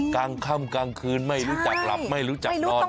กลางค่ำกลางคืนไม่รู้จักหลับไม่รู้จักนอน